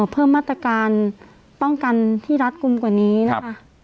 เพิ่มมาตรการป้องกันที่รัดกลุ่มกว่านี้นะคะ